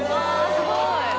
すごい。